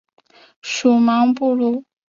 属茫部路。